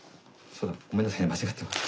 ごめんなさいね間違ってました。